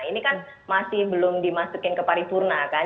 ini kan masih belum dimasukin ke paripurna kan